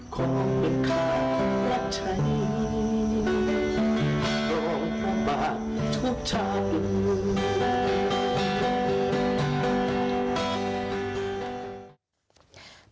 ขอบคุณครับรักชัยโรงพระบาททุกชาติมือแม่